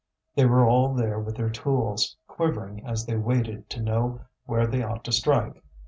They were all there with their tools, quivering as they waited to know where they ought to strike.